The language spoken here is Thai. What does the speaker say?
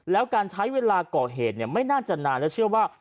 แล้วการใช้เวลาก่อเหตุไม่น่าจะนานและเชื่อว่า